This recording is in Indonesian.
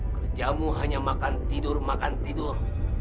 kerjamu hanya makan tidur makan tidur